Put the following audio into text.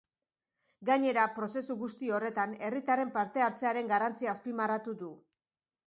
Gainera, prozesu guzti horretan herritarren parte-hartzearen garrantzia azpimarratu du.